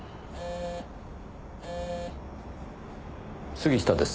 杉下です。